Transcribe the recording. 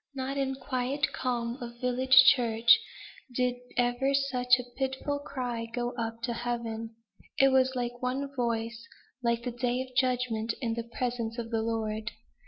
Not in quiet calm of village church did ever such a pitiful cry go up to heaven; it was like one voice like the day of judgment in the presence of the Lord.